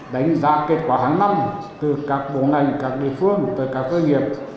đánh giá kết quả hàng năm từ các bộ ngành các địa phương tới các doanh nghiệp